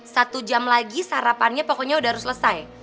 satu jam lagi sarapannya pokoknya sudah harus selesai